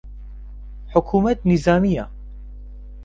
حکوومەت نیزامییە